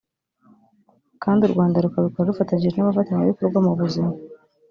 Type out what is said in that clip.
kandi u Rwanda rukabikora rufatanyije n’abafatanyabikorwa mu buzima